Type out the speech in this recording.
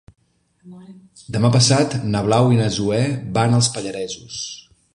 Demà passat na Blau i na Zoè van als Pallaresos.